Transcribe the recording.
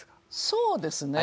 そうですね。